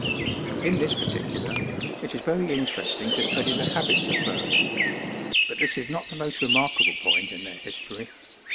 1 1. In this particular, it is very interesting to study the habits of birds ; but this is not the most remarkable point in their his tory.